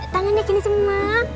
tangannya gini semua